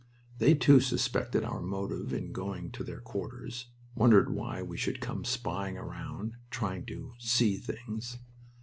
They, too, suspected our motive in going to their quarters, wondered why we should come "spying around," trying to "see things."